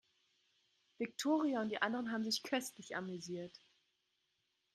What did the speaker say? Viktoria und die anderen haben sich köstlich amüsiert.